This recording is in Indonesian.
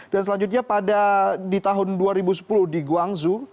dan selanjutnya pada di tahun dua ribu sepuluh di guangzhou